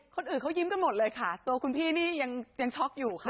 คนอื่นเขายิ้มกันหมดเลยค่ะตัวคุณพี่นี่ยังช็อกอยู่ค่ะ